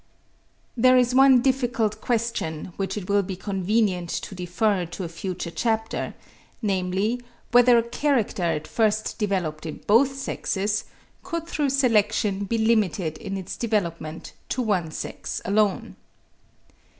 There is one difficult question which it will be convenient to defer to a future chapter; namely, whether a character at first developed in both sexes, could through selection be limited in its development to one sex alone.